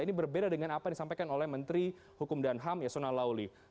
ini berbeda dengan apa yang disampaikan oleh menteri hukum dan ham yasona lauli